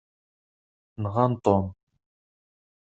Nɣan Tom.